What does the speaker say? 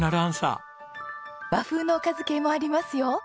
和風のおかず系もありますよ。